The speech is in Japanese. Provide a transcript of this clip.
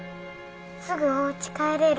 すぐおうち帰れる。